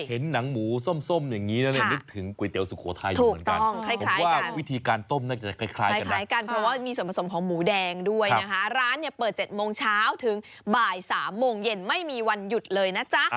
หนึ่งหนังหมูส้มอย่างนี้ซึ่งก๋วยเตี๋ยวสุโข่ทายอยู่เหมือนกันคล้ายนะเพราะว่ามีส่วนผสมของหมูแดงด้วยนะฮะร้านเนี่ยเปิดเจ็ดโมงเช้าถึงบ่าย๓โมงเย็นไม่มีวันหยุดเลยนะจ๊ะ